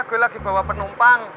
gue lagi bawa penumpang